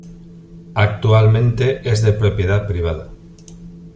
Actualmente es de propiedad privada.